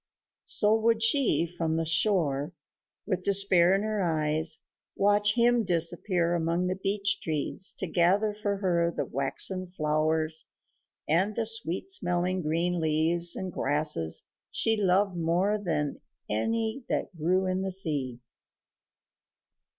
So would she, from the shore, with despair in her eyes, watch him disappear among the beech trees to gather for her the waxen flowers and the sweet smelling green leaves and grasses she loved more than any that grew in the sea.